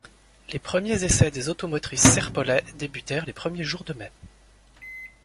Les premiers essais des automotrices Serpollet débutèrent les premiers jours de mai.